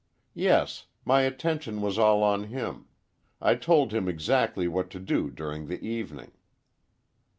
"Yes; my attention was all on him. I told him exactly what to do during the evening."